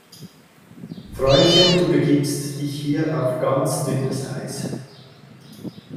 Freundchen, du begibst dich hier auf ganz dünnes Eis!